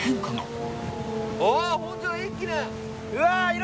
うわ！